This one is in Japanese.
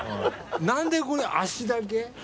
何でこれ足だけ？